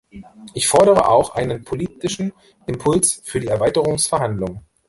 Ich fordere auch einen politischen Impuls für die Erweiterungsverhandlungen.